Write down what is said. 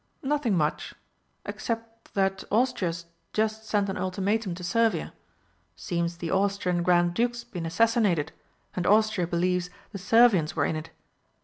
"Nothing much, except that Austria's just sent an ultimatum to Servia. Seems the Austrian Grand Duke's been assassinated, and Austria believes the Servians were in it.